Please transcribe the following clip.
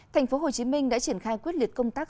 thành phố hồ chí minh đã triển khai quyết liệt công tác